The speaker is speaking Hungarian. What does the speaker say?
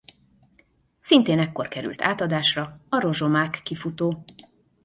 Szintén ekkor került átadásra a rozsomák kifutó.